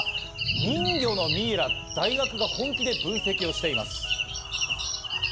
人魚のミイラ、大学が本気で分析をしています。